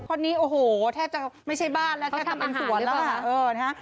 คนนี้โอ้โหแทบจะไม่ใช่บ้านแล้วแทบจะเป็นสวนแล้วค่ะ